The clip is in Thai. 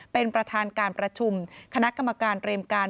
เป็นประธานการประชุมคณะกรรมการเรียมการ